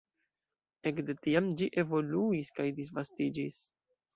Ekde tiam ĝi evoluis kaj disvastiĝis.